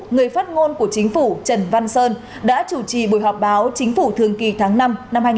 người phát ngôn của chính phủ trần văn sơn đã chủ trì buổi họp báo chính phủ thường kỳ tháng năm năm hai nghìn hai mươi